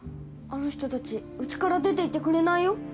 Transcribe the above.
あの人たち家から出て行ってくれないよ。